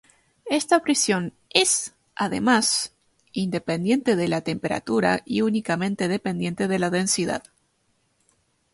Esta presión es, además, independiente de la temperatura y únicamente dependiente de la densidad.